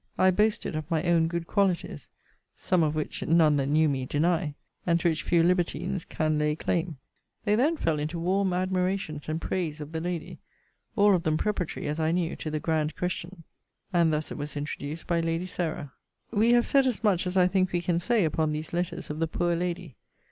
I boasted of my own good qualities; some of which none that knew me deny; and to which few libertines can lay claim. They then fell into warm admirations and praises of the lady; all of them preparatory, as I knew, to the grand question: and thus it was introduced by Lady Sarah. We have said as much as I think we can say upon these letters of the poor lady.